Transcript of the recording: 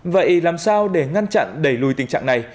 vậy làm sao để ngăn chặn đẩy lùi tình trạng này